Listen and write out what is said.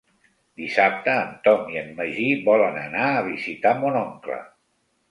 Dissabte en Tom i en Magí volen anar a visitar mon oncle.